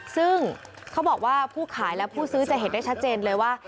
ซึ่งเขาบอกว่าผู้ขายและผู้ซื้อจะเห็นได้ชัดเจนเลยว่า